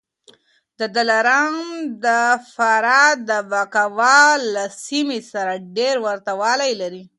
دلارام د فراه د بکواه له سیمې سره ډېر ورته والی لري